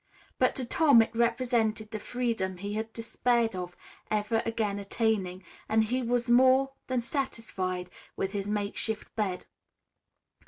But to Tom it represented the freedom he had despaired of ever again attaining, and he was more than satisfied with his makeshift bed.